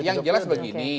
yang jelas begini